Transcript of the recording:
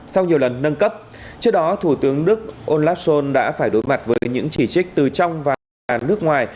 sau nhiều lần nâng cấp trước đó thủ tướng đức olaf schol đã phải đối mặt với những chỉ trích từ trong và nước ngoài